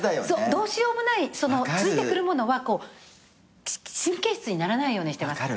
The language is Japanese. どうしようもないついてくるものは神経質にならないようにしてます。